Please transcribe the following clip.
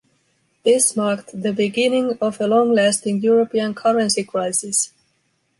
This marked the beginning of a long-lasting European currency crisis.